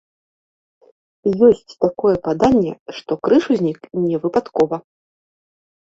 Ёсць такое паданне, што крыж узнік не выпадкова.